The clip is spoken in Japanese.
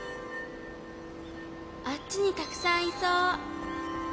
あっちにたくさんいそう。